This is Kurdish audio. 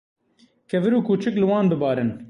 Kevir û kûçik li wan bibarin.